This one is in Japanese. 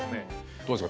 どうですか？